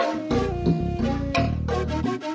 kamu tetap dalam selatan ini